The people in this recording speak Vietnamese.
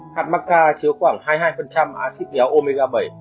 hạt macca chứa khoảng hai mươi hai acid kéo omega bảy